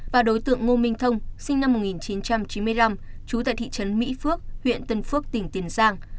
và đối tượng ngô minh thông sinh năm một nghìn chín trăm chín mươi năm chú tại thị trấn mỹ phước huyện tiền giang